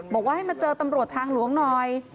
บอกว่าให้มาเจอตำรวจทางหลวงหน่อย